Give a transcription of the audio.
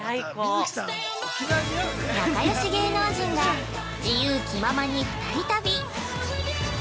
◆仲良し芸能人が自由気ままに２人旅！